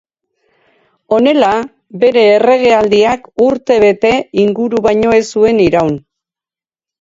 Honela, bere erregealdiak, urte bete inguru baino ez zuen iraun.